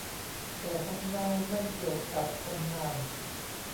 แต่ทำนายไม่เกี่ยวกับทำนาน